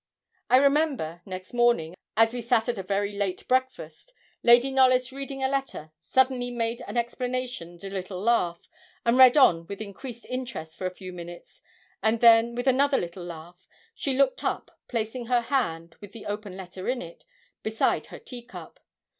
I remember, next morning, as we sat at a very late breakfast, Lady Knollys, reading a letter, suddenly made an exclamation and a little laugh, and read on with increased interest for a few minutes, and then, with another little laugh, she looked up, placing her hand, with the open letter in it, beside her tea cup.